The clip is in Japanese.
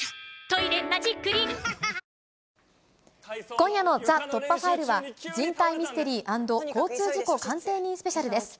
今夜のＴＨＥ突破ファイルは、人体ミステリー＆交通事故鑑定人スペシャルです。